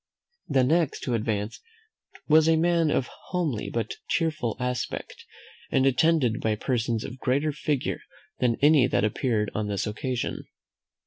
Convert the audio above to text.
The next who advanced was a man of a homely but cheerful aspect, and attended by persons of greater figure than any that appeared on this occasion.